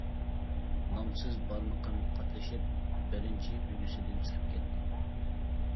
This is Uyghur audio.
نامسىز بارمىقىم قاتلىشىپ، بىرىنچى ئۈگىسىدىن چىقىپ كەتتى.